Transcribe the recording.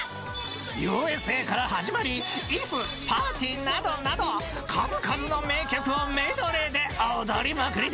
［『Ｕ．Ｓ．Ａ．』から始まり『ｉｆ．．．』『Ｐ．Ａ．Ｒ．Ｔ．Ｙ．』などなど数々の名曲をメドレーで踊りまくりでしたぞ］